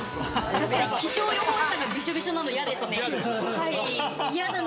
確かに気象予報士さんが、びしょびしょなの、いやですね。